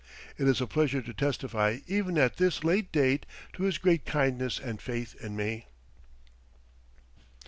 It is a pleasure to testify even at this late date to his great kindness and faith in me.